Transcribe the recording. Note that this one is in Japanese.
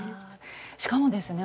しかもですね